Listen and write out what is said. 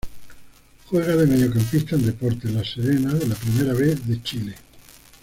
Juega de mediocampista en Deportes La Serena de la Primera B de Chile.